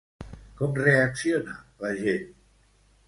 Com reacciona la gent?